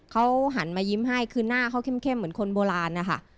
เขาหันมายิ้มให้คือหน้าเขาเข้มเหมือนคนโบราณนะคะ